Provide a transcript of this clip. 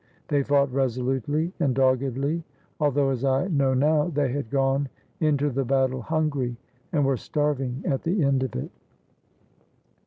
They fought resolutely and doggedly, although, as I know now, they had gone into the battle hungry and were starving at the end of it.